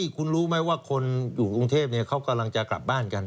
คุณรู้ไหมว่าคนอยู่กรุงเทพเขากำลังจะกลับบ้านกัน